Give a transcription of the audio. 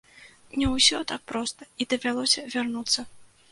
Не ўсё так проста і давялося вярнуцца.